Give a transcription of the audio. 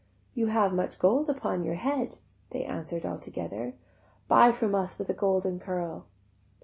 "You have much gold upon your head," They answer'd all together: "Buy from us with a golden curl."